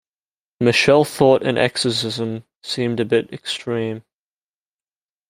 Michelle thought an exorcism seemed a bit extreme.